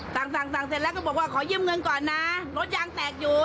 สั่งสั่งเสร็จแล้วก็บอกว่าขอยืมเงินก่อนนะรถยางแตกอยู่